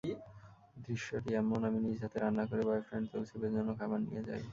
দৃশ্যটি এমন—আমি নিজ হাতে রান্না করে বয়ফ্রেন্ড তৌসিফের জন্য খাবার নিয়ে যাই।